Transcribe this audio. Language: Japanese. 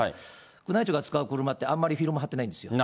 宮内庁が使う車って、あまりフィルム貼ってないんですよ。